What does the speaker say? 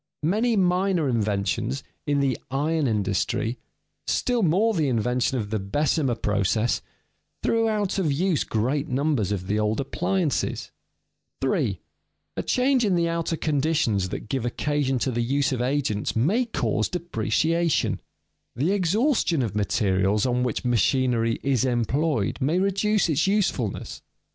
Many minor inventions in the iron industry, still more the invention of the Bessemer process, threw out of use great numbers of the old appliances. [Sidenote: Industrial circumstances affect the uses of agents] 3. A change in the outer conditions that give occasion to the use of agents may cause depreciation. The exhaustion of materials on which machinery is employed may reduce its usefulness.